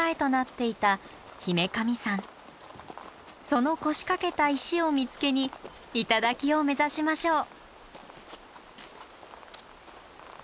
その腰掛けた石を見つけに頂を目指しましょう。